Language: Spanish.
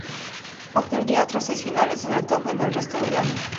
Obtendría otros seis finales en el top ten en el resto del año.